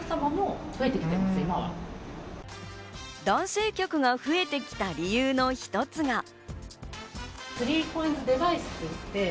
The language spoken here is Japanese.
男性客が増えてきた理由の一つが。